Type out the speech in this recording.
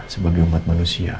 sebagai umat manusia